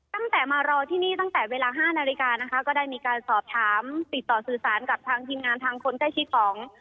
ตั้งแต่มารอที่นี่ตั้งแต่เวลา๕นาฬิกานะคะก็ได้มีการสอบถามติดต่อสื่อสารกับทางทีมงานทางคนใกล้ชิดของ